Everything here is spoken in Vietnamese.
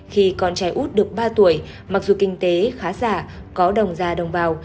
khi con trai út được ba tuổi mặc dù kinh tế khá giả có đồng gia đồng vào